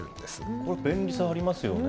これ、便利さ、ありますよね。